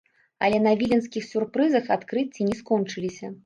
Але на віленскіх сюрпрызах адкрыцці не скончыліся.